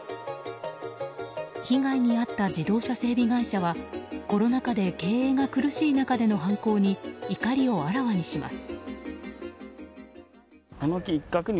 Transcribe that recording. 被害に遭った自動車整備会社はコロナ禍で経営が苦しい中での犯行に怒りをあらわにします。